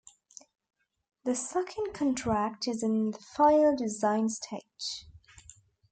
The second contract is in the final design stage.